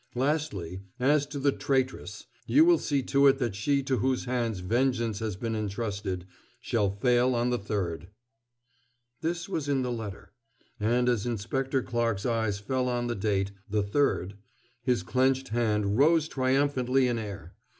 Lastly, as to the traitress, you will see to it that she to whose hands vengeance has been intrusted shall fail on the 3rd. This was in the letter; and as Inspector Clarke's eyes fell on the date, "the 3d," his clenched hand rose triumphantly in air.